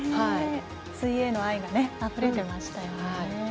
水泳への愛があふれてましたよね。